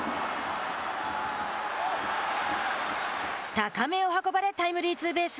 高めを運ばれタイムリーツーベース。